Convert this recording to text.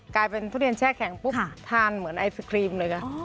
กลายเป็นทุเรียนแช่แข็งปุ๊บทานเหมือนไอศครีมเลยค่ะ